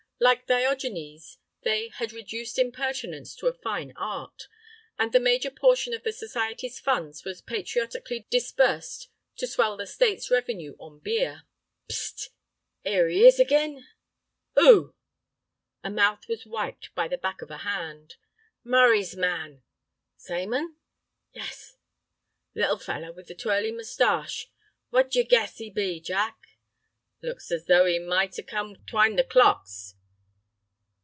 Like Diogenes, they "had reduced impertinence to a fine art"; and the major portion of the society's funds was patriotically disbursed to swell the state's revenue on beer. "Psst—'Ere 'e is ag'in." "'oo?" A mouth was wiped by the back of a hand. "Murray's man." "Same un?" "Yas. Little feller with the twirly mustache. What d'yer guess 'e be, Jack?" "Looks as though 'e might have come t' wind the clocks."